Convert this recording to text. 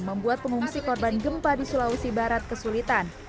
membuat pengungsi korban gempa di sulawesi barat kesulitan